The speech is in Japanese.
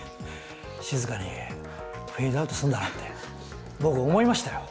静かにフェードアウトするんだなって僕思いましたよ。